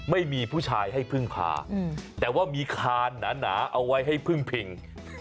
ไม่มีผู้ชายให้พึ่งพาแต่ว่ามีคานหนาเอาไว้ให้พึ่งพิง